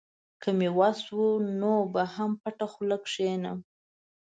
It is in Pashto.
که مې وس و، نور به هم پټه خوله نه کښېنم.